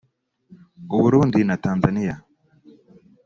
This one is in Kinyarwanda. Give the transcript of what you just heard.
u Burundi na Tanzaniya